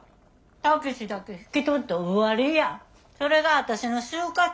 武志だけ引き取って終わりやそれが私の終活。